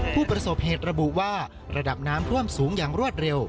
ผู้ประสบเหตุระบุว่าระดับน้ำท่วมสูงอย่างรวดเร็ว